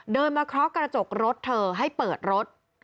เดินมาเคาะกระจกรถเธอให้เปิดรถ